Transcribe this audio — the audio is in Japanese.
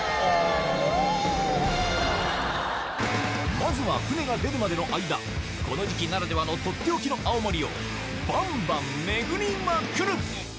まずは船が出るまでの間この時期ならではのとっておきの青森をバンバン巡りまくる！